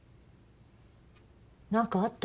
何かあった？